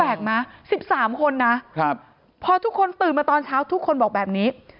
๑๓คนนะพอทุกคนตื่นมาตอนเช้าทุกคนบอกแบบนี้